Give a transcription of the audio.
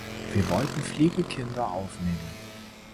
Wir wollten Pflegekinder aufnehmen.